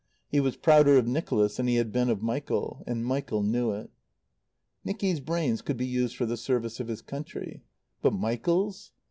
He was prouder of Nicholas than he had been of Michael. And Michael knew it. Nicky's brains could be used for the service of his country. But Michael's?